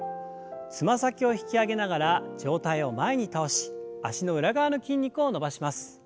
つま先を引き上げながら上体を前に倒し脚の裏側の筋肉を伸ばします。